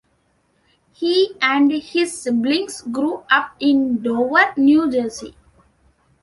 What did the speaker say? He and his siblings grew up in Dover, New Jersey.